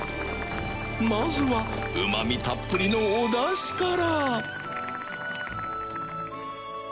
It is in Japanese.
まずはうまみたっぷりのお出汁から